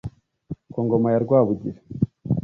ku ngoma ya Rwabugiri